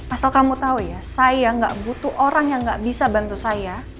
asal kamu tahu ya saya gak butuh orang yang gak bisa bantu saya